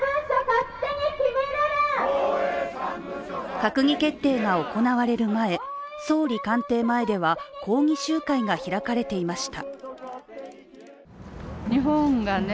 閣議決定が行われる前、総理官邸前では抗議集会が開かれていました。